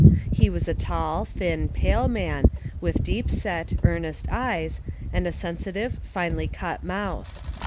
He was a tall, thin, pale man, with deep set, earnest eyes, and a sensitive, finely cut mouth.